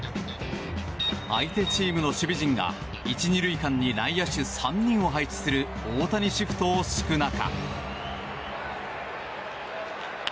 相手チームの守備陣が１、２塁間に内野手３人を配置する大谷シフトを敷く中。